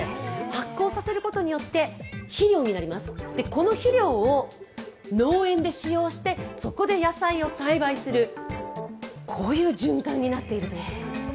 発酵させることによって肥料になります、この肥料を農園で使用してそこで野菜を栽培する、こういう循環になっているということなんです。